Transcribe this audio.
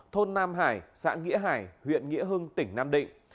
thôn nam hải xã nghĩa hải huyện nghĩa hưng tỉnh nam định